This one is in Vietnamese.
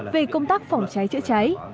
về công tác phòng cháy chữa cháy